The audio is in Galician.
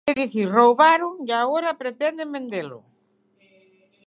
É dicir, roubaron e agora pretenden vendelo.